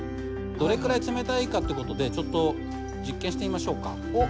どれくらい冷たいかって事でちょっと実験してみましょうか。